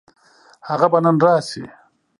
هغه به نن راشي.